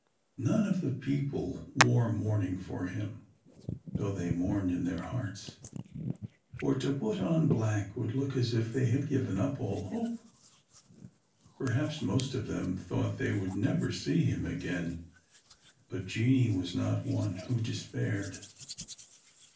None of the people wore mourning for him, though they mourned in their hearts. For to put on black would look as if they had given up all hope. Perhaps most of them thought they would never see him again, but Jeanie was not one who despaired.